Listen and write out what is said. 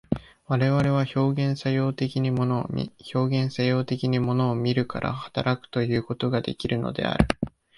我々は表現作用的に物を見、表現作用的に物を見るから働くということができるのである。